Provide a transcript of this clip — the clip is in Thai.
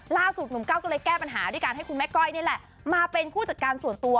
ล่าสุดหนุ่มก้าวก็เลยแก้ปัญหาด้วยการให้คุณแม่ก้อยนี่แหละมาเป็นผู้จัดการส่วนตัว